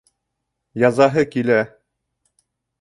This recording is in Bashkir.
Язаһы килә.